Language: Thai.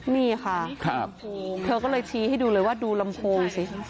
นี่ค่ะเธอก็เลยชี้ให้ดูเลยว่าดูลำโพงสิ